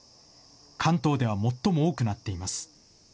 関東では最も多くなっています。